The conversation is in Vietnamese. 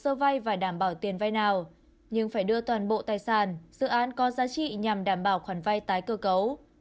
sơ vai và đảm bảo tiền vai nào nhưng phải đưa toàn bộ tài sản dự án có giá trị nhằm đảm bảo khoản vai tái cơ cấu